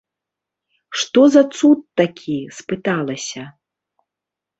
Што за цуд такі, спыталася.